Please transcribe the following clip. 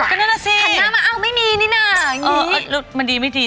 ก็นั่นแหละสิหันหน้ามาอ้าวไม่มีนี่น่ะอย่างนี้มันดีไม่ดี